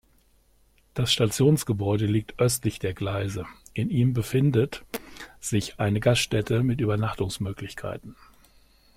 Das Stationsgebäude liegt östlich der Gleise, in ihm befindet sich eine Gaststätte mit Übernachtungsmöglichkeiten.